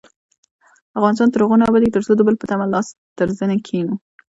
افغانستان تر هغو نه ابادیږي، ترڅو د بل په تمه لاس تر زنې کښينو.